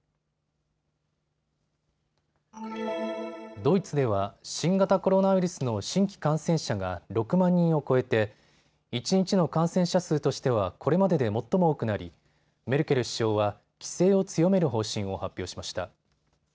ドイツでは新型コロナウイルスの新規感染者が６万人を超えて一日の感染者数としてはこれまでで最も多くなりメルケル首相は規制を強める方針を発表しました。